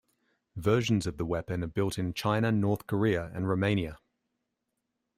Versions of the weapon are built in China, North Korea and Romania.